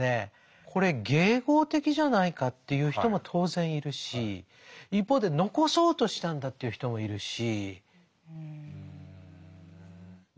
これ迎合的じゃないかって言う人も当然いるし一方で残そうとしたんだと言う人もいるし。